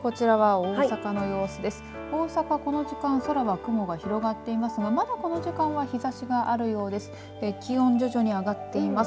大阪はこの時間空は雲が広がっていますがまだこの時間は日ざしがあるようです。